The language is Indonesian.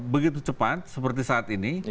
begitu cepat seperti saat ini